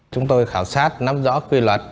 chúng tôi khảo sát nắm rõ quy luật